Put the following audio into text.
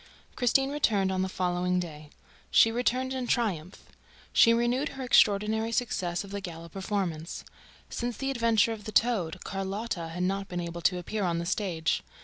Christine returned on the following day. She returned in triumph. She renewed her extraordinary success of the gala performance. Since the adventure of the "toad," Carlotta had not been able to appear on the stage.